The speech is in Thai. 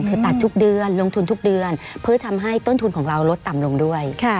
คือตัดทุกเดือนลงทุนทุกเดือนเพื่อทำให้ต้นทุนของเราลดต่ำลงด้วย